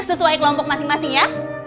sesuai kelompok masing masing ya